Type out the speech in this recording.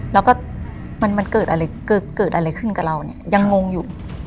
แล้วก็มันเกิดอะไรขึ้นกับเรายังงงอยู่